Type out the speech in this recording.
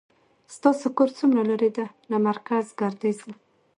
ستاسو کور څومره لری ده له مرکز ګردیز نه